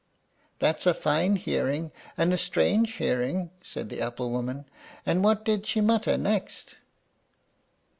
'" "That's a fine hearing, and a strange hearing," said the apple woman; "and what did she mutter next?"